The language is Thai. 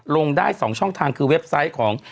ลงได้๒ช่องทางคือเว็บไซต์ของ